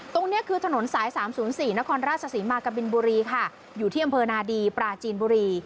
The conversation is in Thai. ตรงนี้คือถนนสาย๓๐๔นครราชศรีมากะบินบุรีค่ะอยู่ที่อำเภอนาดีปราจีนบุรี